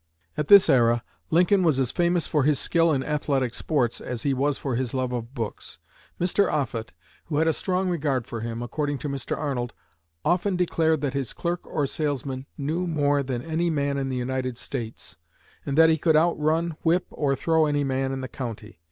At this era Lincoln was as famous for his skill in athletic sports as he was for his love of books. Mr. Offutt, who had a strong regard for him, according to Mr. Arnold, "often declared that his clerk, or salesman, knew more than any man in the United States, and that he could out run, whip, or throw any man in the county.